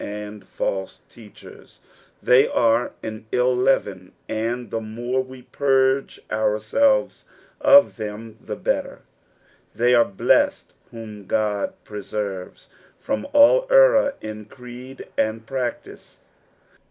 and false teachers ; they are an ill leaven, and the more we purge ourselves of them the iHittej : thev are blessed whom God preserves from all error in creed and practice.